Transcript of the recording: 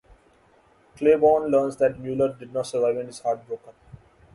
Claiborne learns that Mueller did not survive and is heartbroken.